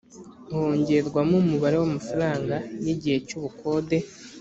hongerwamo umubare w’amafaranga y’igihe cy’ubukode